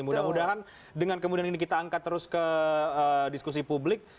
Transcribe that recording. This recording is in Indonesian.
mudah mudahan dengan kemudian ini kita angkat terus ke diskusi publik